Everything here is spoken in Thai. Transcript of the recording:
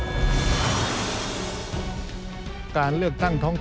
มีความรับรับรับ